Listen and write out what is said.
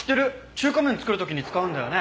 中華麺作る時に使うんだよね？